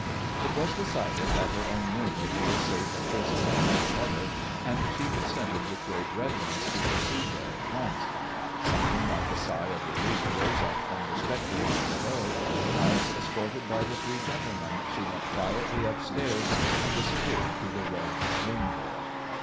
It was decided that her own room would be as safe a prison as any other, and she consented with great readiness to proceed there at once* Something like a sigh of relief rose up from the spectators below as, escorted by the three gentlemen, she went quietly upstairs and disappeared through the red swing door.